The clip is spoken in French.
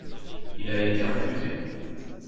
Il a été refusé.